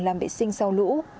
làm vệ sinh sau lũ